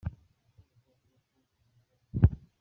Yakomeje avuga ko kugeza ubu nubwo.